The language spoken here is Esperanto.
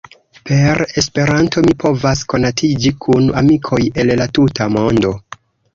Per Esperanto mi povas konatiĝi kun amikoj el la tuta mondo.